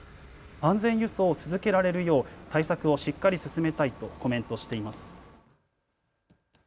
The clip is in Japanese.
安全輸送を続けられるよう対策をしっかり進めたいとコメントしています。